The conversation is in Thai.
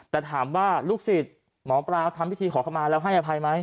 แต่ถามว่าลูกศิษย์หมอปลาทำพิธีขอเข้ามาแล้วให้อภัยไหม